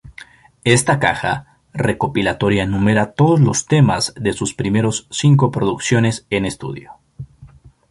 Esta caja recopilatoria numera todos los temas de sus primeros cinco producciones en estudio.